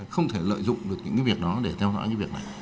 không thể lợi dụng được những việc đó để theo dõi những việc này